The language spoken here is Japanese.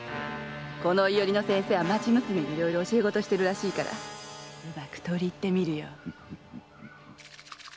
この庵の先生は町娘に教え事をしてるらしいからうまく取り入ってみるよ。